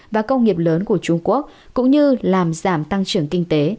và công nghiệp lớn của trung quốc cũng như làm giảm tăng trưởng kinh tế